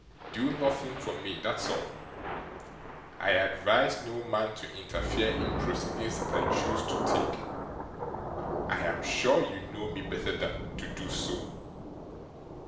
Do nothing for me; that's all. I advise no man to interfere in proceedings that I choose to take. I am sure you know me better than to do so.